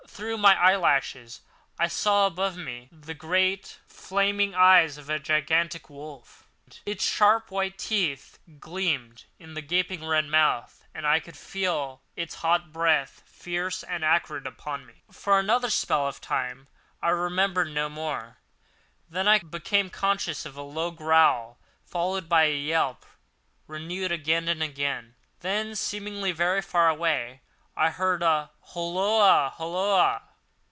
Through my eyelashes I saw above me the two great flaming eyes of a gigantic wolf. Its sharp white teeth gleamed in the gaping red mouth, and I could feel its hot breath fierce and acrid upon me. For another spell of time I remembered no more. Then I became conscious of a low growl, followed by a yelp, renewed again and again. Then, seemingly very far away, I heard a "Holloa! holloa!"